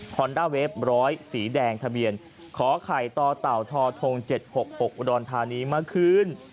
อนด้าเวฟ๑๐๐สีแดงทะเบียนขอไข่ต่อเต่าทอทง๗๖๖อุดรธานีเมื่อคืน